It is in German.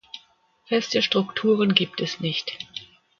Feste Strukturen gibt es nicht.